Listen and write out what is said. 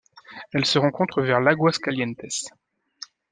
Elle se rencontre vers l'Aguascalientes.